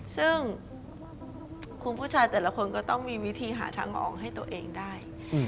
ซึ่งคุณผู้ชายแต่ละคนก็ต้องมีวิธีหาทางออกให้ตัวเองได้